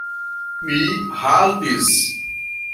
Mi haltis.